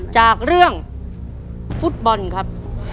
จากเรื่องฟุตบอลครับ